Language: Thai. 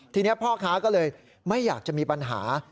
ทีนี้พ่อค้าก็เลยไม่อยากจะมีปัญหา